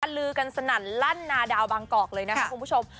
เริ่มนัดลือกันสนั่นลั่นหน้าดาวฉันบ้างกอกเลยครับผมเพราะง่าย